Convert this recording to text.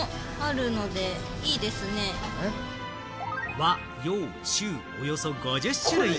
和・洋・中、およそ５０種類。